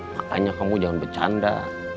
makanya kamu jangan bercanda